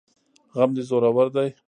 غم دي زورور دی